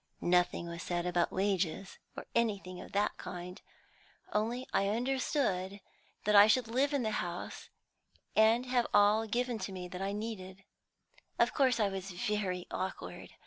Nothing was said about wages or anything of that kind; only I understood that I should live in the house, and have all given me that I needed. Of course I was very awkward.